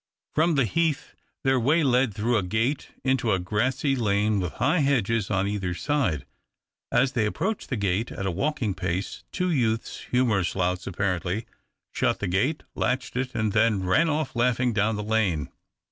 From the heath their way lay through a gate into a grassy lane with high hedges on either side. As they approached the gate at a walking pace two youths — humorous louts apparently — shut tlie gate, latched it, and then ran off laughing down the lane.